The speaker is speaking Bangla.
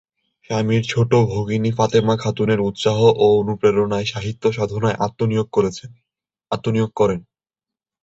স্বামীর ছোট ভগিনী ফাতেমা খাতুনের উৎসাহ ও অনুপ্রেরণায় সাহিত্য সাধনায় আত্মনিয়োগ করেন।